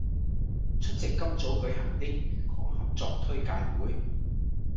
出席今早舉行的渝港合作推介會